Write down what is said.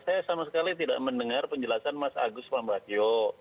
saya sama sekali tidak mendengar penjelasan mas agus pambagio